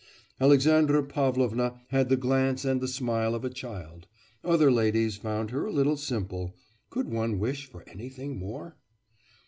Alexandra Pavlovna had the glance and the smile of a child; other ladies found her a little simple.... Could one wish for anything more?